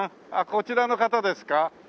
こちらの方ですか？